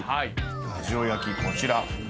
ラヂオ焼きこちら。